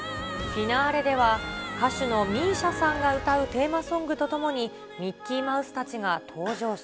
フィナーレでは、歌手のＭＩＳＩＡさんが歌うテーマソングと共に、ミッキーマウスたちが登場。